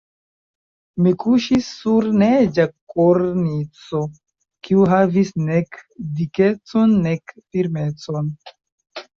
Mi kuŝis sur neĝa kornico, kiu havis nek dikecon nek firmecon.